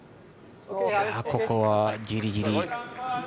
ここは、ギリギリ。